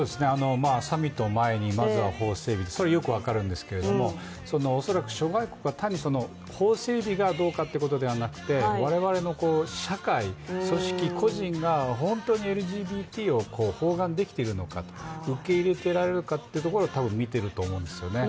サミットを前にまずは法整備、それはよく分かるんですけれども恐らく諸外国は単に法整備がどうかということではなくて我々の社会、組織、個人が本当にＬＧＢＴを包含できているのか、受け入れられるのかというところを多分見ていると思うんですよね。